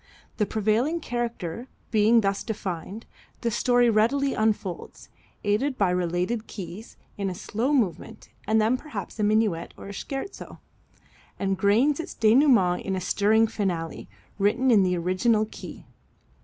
The prevailing character being thus defined, the story readily unfolds, aided by related keys, in a slow movement and perhaps a minuet or scherzo, and gains its denouement in a stirring finale, written in the original key.